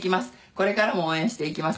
「これからも応援していきます。